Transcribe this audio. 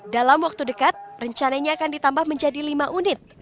dalam waktu dekat rencananya akan ditambah menjadi lima unit